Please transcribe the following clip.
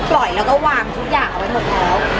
หลอกปล่อยเราก็วางทุกอย่างออกไปหมดแล้ว